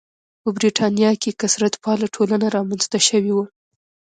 په برېټانیا کې کثرت پاله ټولنه رامنځته شوې وه.